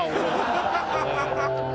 ハハハハ！